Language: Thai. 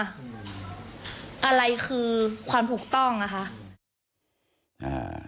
อะไรคือความถูกต้องนะคะ